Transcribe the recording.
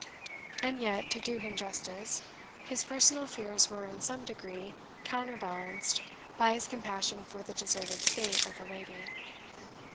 And yet, to do him justice, his personal fears were, in some degree, counterbalanced by his compassion for the deserted state of the lady.